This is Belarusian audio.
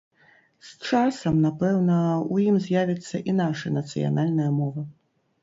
З часам, напэўна, у ім з'явіцца і наша нацыянальная мова.